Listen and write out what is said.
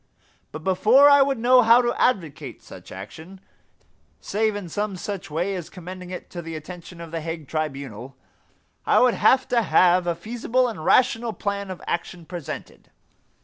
But before I would know how to advocate such action, save in some such way as commending it to the attention of The Hague Tribunal, I would have to have a feasible and rational plan of action presented.